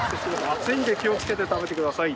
熱いんで気をつけて食べてください。